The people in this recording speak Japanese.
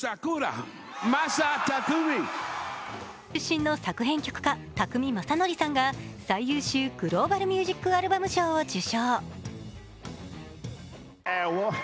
大阪出身の作曲家・編曲家の宅見将典さんが最優秀グローバル・ミュージック・アルバム賞を受賞。